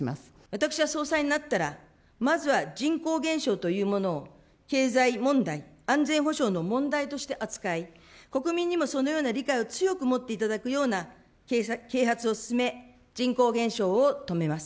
私は総裁になったら、まずは人口減少というものを経済問題、安全保障の問題として扱い、国民にもそのような理解を強く持っていただくような啓発を進め、人口減少を止めます。